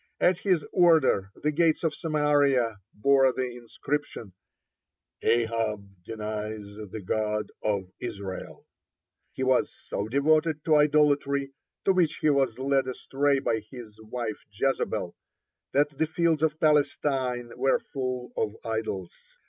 At his order the gates of Samaria bore the inscription: "Ahab denies the God of Israel." He was so devoted to idolatry, to which he was led astray by his wife Jezebel, that the fields of Palestine were full of idols.